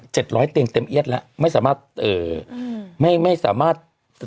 เจ็ดร้อยเตียงเต็มเอี๊ยดละไม่สามารถ